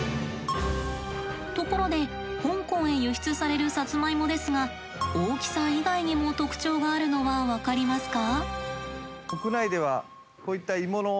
ところで香港へ輸出されるさつまいもですが大きさ以外にも特徴があるのは分かりますか？